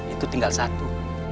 itu tinggal satu